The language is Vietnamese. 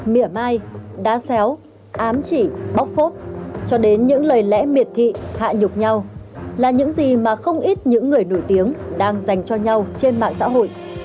mỉa mai đá xéo ám chỉ bóc phốt cho đến những lời lẽ miệt thị hạ nhục nhau là những gì mà không ít những người nổi tiếng đang dành cho nhau trên mạng xã hội